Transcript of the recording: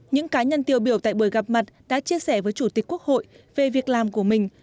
những cá nhân tiêu biểu tại buổi gặp mặt đã chia sẻ với chủ tịch quốc hội về việc làm của mình